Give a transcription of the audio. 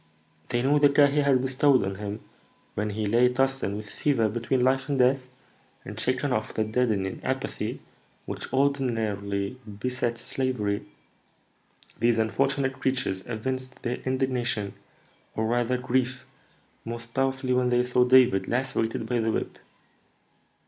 They knew the care he had bestowed on him when he lay tossing with fever between life and death, and, shaking off the deadening apathy which ordinarily besets slavery, these unfortunate creatures evinced their indignation, or rather grief, most powerfully when they saw David lacerated by the whip.